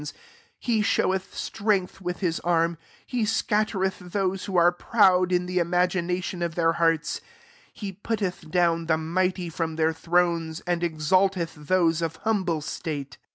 s\ ffe showeth strength with ^ arm : he scattereth those who aii\ proud in the imagination qftheii hearts. 53 He putteth dovm tk mighty Jrom their thrones ; am ejtalteth those of humble state.